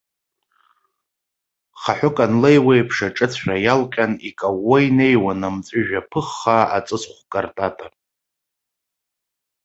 Хаҳәык анлеиуа еиԥш, аҿыцәра иалҟьан, икаууа инеиуан, амҵәыжәҩа ԥыххаа, аҵысхә картата.